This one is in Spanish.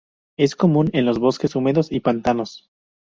Es común en los bosques húmedos y pantanos.